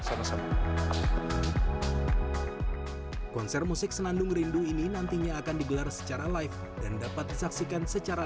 sama sama konser musik senandung rindu ini nantinya akan digelar secara live dan dapat disaksikan secara